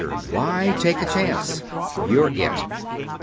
Why take a chance? You're IT.